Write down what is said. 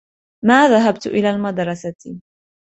ما ذهبت إلى المدرسة.